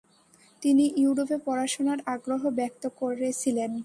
তিনি ইউরোপে পড়াশোনার আগ্রহ ব্যক্ত করেছিলেন।